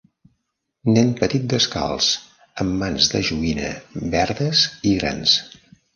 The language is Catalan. Nen petit descalç amb mans de joguina verdes i grans.